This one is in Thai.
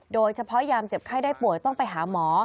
โดยเฉพาะยามเจ็บไข้ได้ป่วยต้องไปหาหมอ